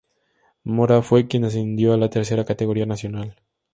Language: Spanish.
Mora fue quien ascendió a la tercera categoría nacional.